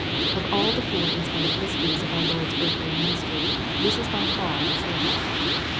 Of all the four inspired histories of our Lord's earthly ministry, this is by far the shortest.